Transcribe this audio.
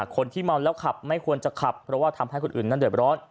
คนที่เมาแล้วขับไม่ควรจะขับเพราะว่าทำให้คนอื่นนั้นเดือดร้อน